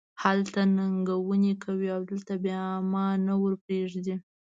هلته ننګونې کوې او دلته بیا ما نه ور پرېږدې.